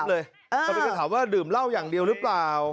กำลังจะถามเลยกำลังจะถามว่าดื่มเหล้าอย่างเดียวหรือเปล่า